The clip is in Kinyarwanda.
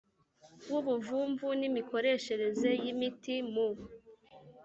W ubuvumvu n imikoreshereze y imiti mu